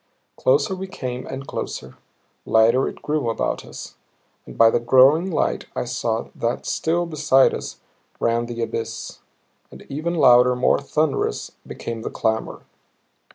Closer we came and closer; lighter it grew about us, and by the growing light I saw that still beside us ran the abyss. And even louder, more thunderous, became the clamor.